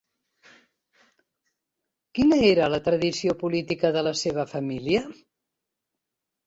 Quina era la tradició política de la seva família?